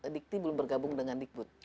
dikti belum bergabung dengan digbud